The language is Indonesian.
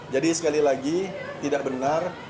jadi sekali lagi tidak benar